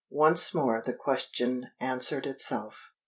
Once more the question answered itself.